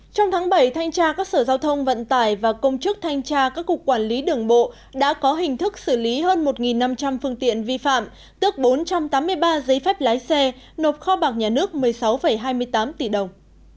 trong tháng bảy thanh tra các sở giao thông vận tải và công chức thanh tra các cục quản lý đường bộ đã có hình thức xử lý hơn một năm trăm linh phương tiện vi phạm tức bốn trăm tám mươi ba giấy phép lái xe nộp kho bạc nhà nước một mươi sáu hai mươi tám tỷ đồng